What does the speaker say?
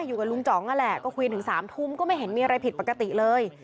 อยู่กับลุงจ๋องนั่นแหละก็คุยถึง๓ทุ่มก็ไม่เห็นมีอะไรผิดปกติเลย